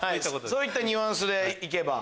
そういったニュアンスで行けば。